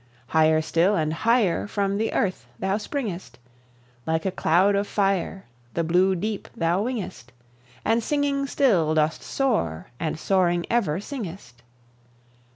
Higher still and higher From the earth thou springest, Like a cloud of fire; The blue deep thou wingest, And singing still dost soar and soaring ever singest.